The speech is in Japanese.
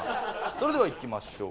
それではいきましょう。